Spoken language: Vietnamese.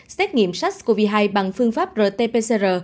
xét nghiệm sars cov hai bằng phương pháp rt pcr